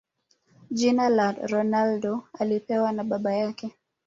Jina la Ronaldo alipewa na baba yake